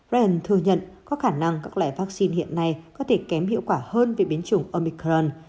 ryan thừa nhận có khả năng các loại vaccine hiện nay có thể kém hiệu quả hơn về biến chủng omicron